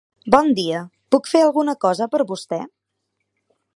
Bon dia, puc fer alguna cosa per vostè?